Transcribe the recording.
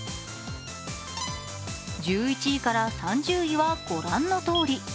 １１位から３０位は御覧のとおり。